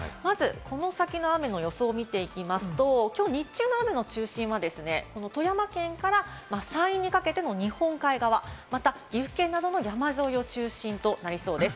この先の雨の予想を見ていきますと、きょう日中の雨の中心はですね、富山県から山陰にかけての日本海側、また岐阜県などの山沿いが中心となりそうです。